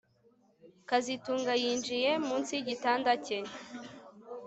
kazitunga yinjiye munsi yigitanda cye